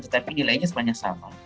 tetapi nilainya semuanya sama